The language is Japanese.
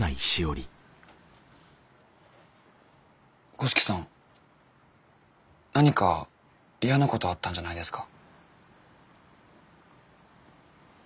五色さん何か嫌なことあったんじゃないですか？